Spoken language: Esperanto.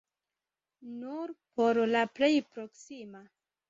Nur por la plej proksima!